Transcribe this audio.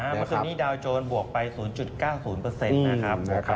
วันทุนนี้ดาวน์โจรบวกไป๐๙๐นะครับ